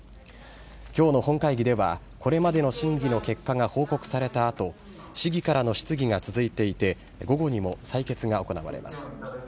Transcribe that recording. きょうの本会議では、これまでの審議の結果が報告されたあと、市議からの質疑が続いていて、午後にも採決が行われます。